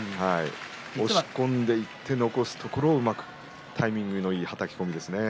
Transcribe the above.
押し込んでいって残すところをうまくタイミングのいいはたき込みですね。